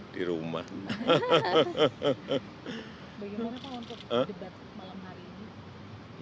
debat malam hari ini